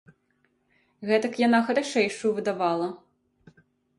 Гэтак яна харашэйшаю выдавала.